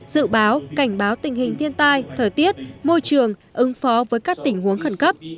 dự báo cảnh báo tình hình thiên tai thời tiết môi trường ứng phó với các tình huống khẩn cấp